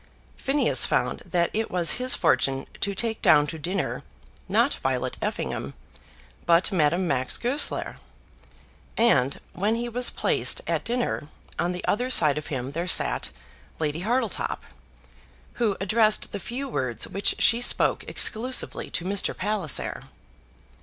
Phineas found that it was his fortune to take down to dinner, not Violet Effingham, but Madame Max Goesler. And, when he was placed at dinner, on the other side of him there sat Lady Hartletop, who addressed the few words which she spoke exclusively to Mr. Palliser.